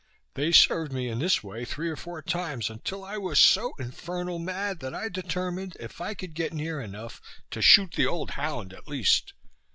They served me in this way three or four times, until I was so infernal mad, that I determined, if I could get near enough, to shoot the old hound at least.